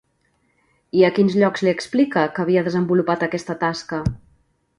I a quins llocs li explica que havia desenvolupat aquesta tasca?